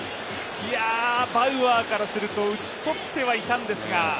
バウアーからすると、打ち取ってはいたんですが。